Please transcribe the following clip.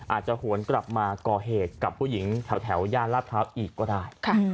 หวนกลับมาก่อเหตุกับผู้หญิงแถวย่านลาดพร้าวอีกก็ได้